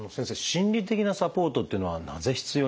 心理的なサポートっていうのはなぜ必要になるんでしょう？